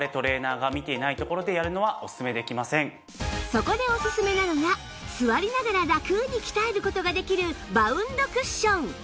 そこでおすすめなのが座りながらラクに鍛える事ができるバウンドクッション